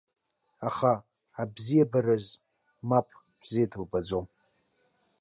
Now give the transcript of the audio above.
Аха абзиабараз, мап, бзиа дылбаӡом.